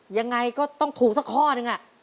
ยังไงก็ต้องถูกสักข้อนึง